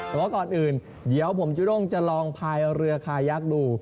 แต่ว่าก่อนอื่นเดี๋ยวผมจุด้งจะลองพายเรือคายักษ์ดู